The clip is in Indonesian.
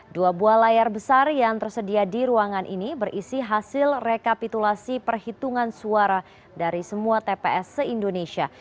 dua buah layar besar yang tersedia di ruangan ini berisi hasil rekapitulasi perhitungan suara dari semua tps se indonesia